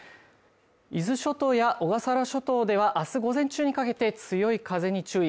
伊豆諸島や小笠原諸島ではあす午前中にかけて強い風に注意。